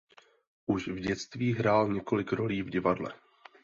Už v dětství hrál několik rolí v divadle.